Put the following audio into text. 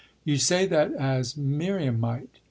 "You say that as Miriam might.